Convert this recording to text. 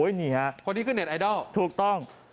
คนนี้คือเน็ตไอดอลถูกต้อง